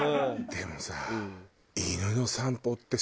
でもさ。